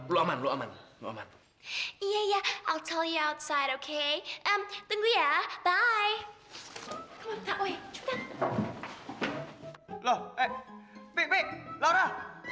lu aman lu aman lu aman iya iya aku tahu ya outside oke emang tunggu ya bye hai lo eh bik laura